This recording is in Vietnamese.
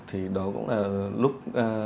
thì đó cũng là lúc